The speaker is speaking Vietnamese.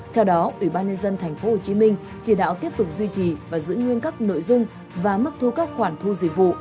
theo đó ủy ban nhân dân tp hcm chỉ đạo tiếp tục duy trì và giữ nguyên các nội dung và mức thu các khoản thu dịch vụ